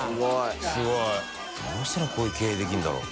飯尾）どうしたらこういう経営できるんだろう？